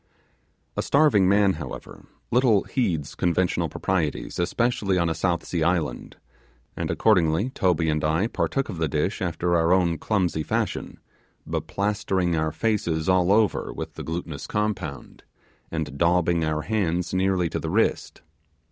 A starving man, however, little heeds conventional proprieties, especially on a South Sea Island, and accordingly Toby and I partook of the dish after our own clumsy fashion, beplastering our faces all over with the glutinous compound, and daubing our hands nearly to the wrist.